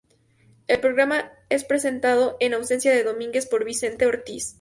El programa es presentado, en ausencia de Domínguez, por Vicente Ortiz.